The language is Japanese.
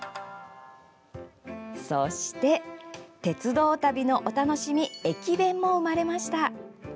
そして、鉄道旅のお楽しみ駅弁も生まれました。